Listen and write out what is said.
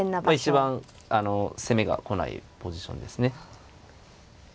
一番攻めが来ないポジションですね。